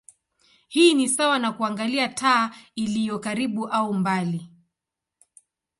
Hii ni sawa na kuangalia taa iliyo karibu au mbali.